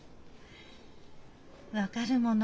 分かるもの。